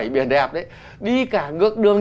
biển đẹp ấy đi cả ngược đường